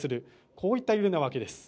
こういった揺れなわけです。